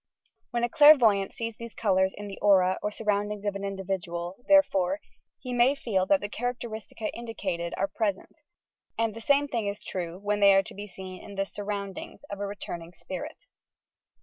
When a clairvoyant sees these colours in the aura or surroundings of an individual, therefore, he may feel that the characteristics indicated are present; and the same thing is true when they are seen in the "surround ings" of a returning spirit.